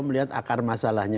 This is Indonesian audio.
melihat akar masalahnya